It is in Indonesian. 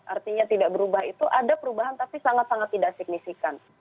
artinya tidak berubah itu ada perubahan tapi sangat sangat tidak signifikan